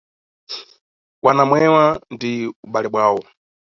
Wana omwewa ndi ubale bwawo.